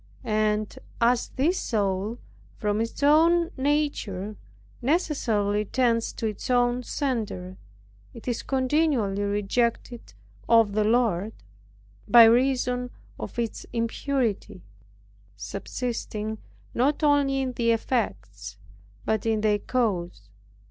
And as this soul, from its own nature necessarily tends to its own center, it is continually rejected of the Lord, by reason of its impurity, subsisting not only in the effects, but in their cause.